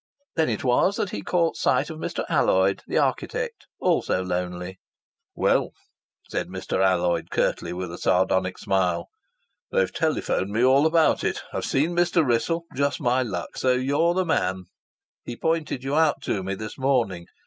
Then it was that he caught sight of Mr. Alloyd, the architect, also lonely. "Well," said Mr. Alloyd, curtly, with a sardonic smile. "They've telephoned me all about it. I've seen Mr. Wrissell. Just my luck! So you're the man! He pointed you out to me this morning.